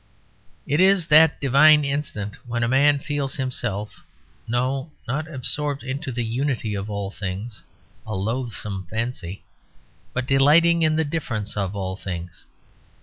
It is that divine instant when a man feels himself no, not absorbed into the unity of all things (a loathsome fancy) but delighting in the difference of all things.